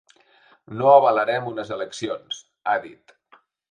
No avalarem unes eleccions, ha dit.